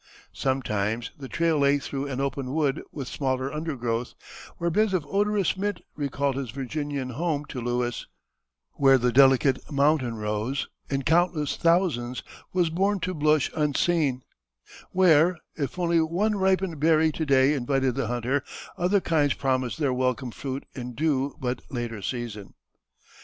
Sometimes the trail lay through an open wood with smaller undergrowth, where beds of odorous mint recalled his Virginian home to Lewis; where the delicate mountain rose, in countless thousands, was born to blush unseen; where, if only one ripened berry to day invited the hunter, other kinds promised their welcome fruit in due but later season.